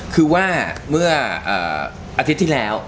คือว่าเมื่ออาทิตย์ที่แล้ว